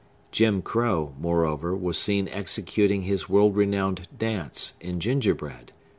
Jim Crow, moreover, was seen executing his world renowned dance, in gingerbread.